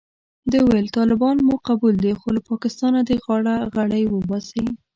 ده ویل طالبان مو قبول دي خو له پاکستانه دې غاړه غړۍ وباسي.